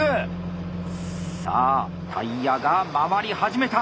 さあタイヤが回り始めた。